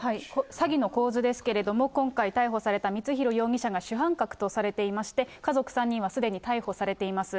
詐欺の構図ですけれども、今回、逮捕された光弘容疑者が主犯格とされていまして、家族３人はすでに逮捕されています。